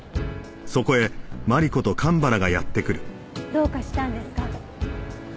どうかしたんですか？